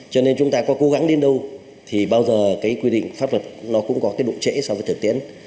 cho nên chúng ta có cố gắng đến đâu thì bao giờ cái quy định pháp luật nó cũng có cái độ trễ so với thực tiễn